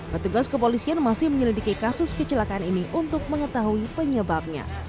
petugas kepolisian masih menyelidiki kasus kecelakaan ini untuk mengetahui penyebabnya